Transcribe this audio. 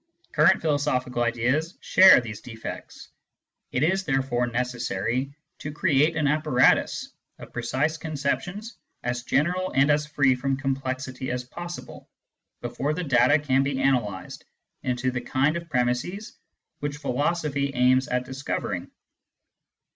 Current philosophical ideas share these defects ; it is therefore necessary to create an apparatus of precise conceptions as general and as free from com plexity as possible, before the data can be analysed into the kind of premisses which philosophy aims at discover ing.